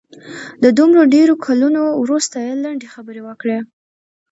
د دومره ډېرو کلونو وروسته یې لنډې خبرې وکړې.